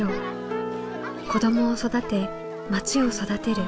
子どもを育てまちを育てる。